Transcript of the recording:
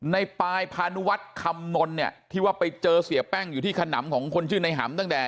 ในปายพานุวัฒน์คำนลเนี่ยที่ว่าไปเจอเสียแป้งอยู่ที่ขนำของคนชื่อในหำตั้งแต่